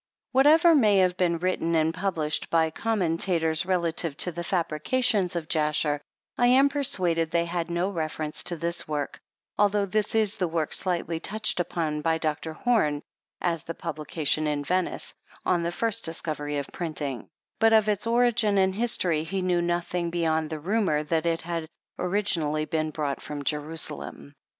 Whatever may have been written and published by commentators, re lative to the fabrications of Jasher, I am persuaded they had no reference to this work, although this is the work slightly touched upon by Dr. Home, as the publication in Venice, on the first discovery of printing; but of its origin and history he knew nothing beyond the rumor that it had originally been brouglit from Jerusalem.